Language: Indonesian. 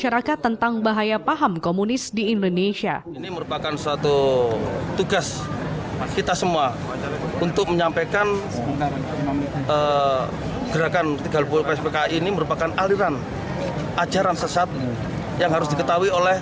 ada masyarakat tentang bahaya paham komunis di indonesia